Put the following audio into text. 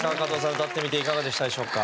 歌ってみていかがでしたでしょうか？